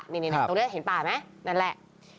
นี่ตรงนี้เห็นป่าไหมนั่นแหละ